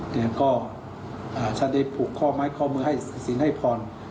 เนี่ยก็อ่าท่านได้ผูกข้อม้ายข้อมือให้สินให้พร